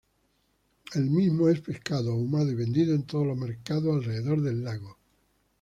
El mismo es pescado, ahumado y vendido en todos los mercados alrededor del lago.